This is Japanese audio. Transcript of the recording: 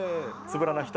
つぶらな瞳。